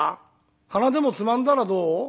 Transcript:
「鼻でもつまんだらどう？」。